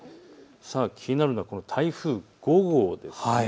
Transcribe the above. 気になるのが台風５号です。